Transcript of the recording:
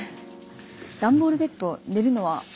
段ボールベッド寝るのは。